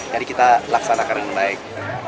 jadi kita laksanakan yang baik